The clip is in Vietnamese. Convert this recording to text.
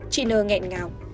chị n nghẹn ngào